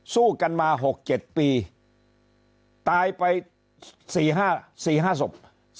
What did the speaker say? สู้กันมา๖๗ปีตายไป๔๕ศพ